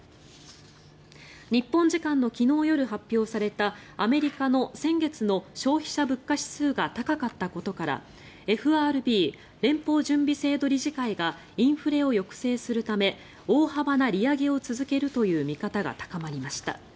日本時間の昨日夜発表されたアメリカの先月の消費者物価指数が高かったことからＦＲＢ・連邦準備制度理事会がインフレを抑制するため大幅な利上げを続けるという見方が高まりました。